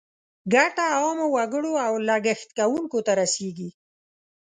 ګټه عامو وګړو او لګښت کوونکو ته رسیږي.